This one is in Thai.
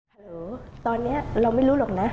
โหลตอนนี้เราไม่รู้หรอกนะ